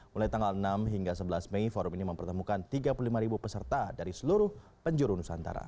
mulai tanggal enam hingga sebelas mei forum ini mempertemukan tiga puluh lima peserta dari seluruh penjuru nusantara